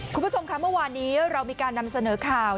คุณผู้ชมค่ะเมื่อวานนี้เรามีการนำเสนอข่าว